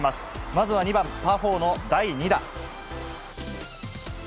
まずは２番、パー４の第２打。